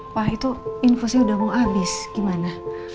wah itu infusnya udah mau habis gimana